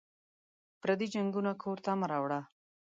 پردي جنګونه کور ته مه راوړه